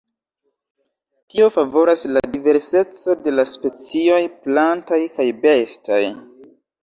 Tio favoras la diverseco de la specioj plantaj kaj bestaj.